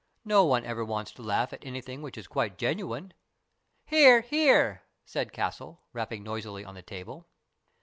No one ever wants to laugh at anything which is quite genuine." " Hear, hear," said Castle, rapping noisily on the table.